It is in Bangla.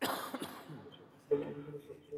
মনসামঙ্গল অনুসারে চাঁদ সওদাগর ছিলেন প্রভাবশালী বণিক।